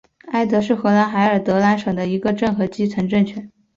埃德是荷兰海尔德兰省的一个镇和基层政权。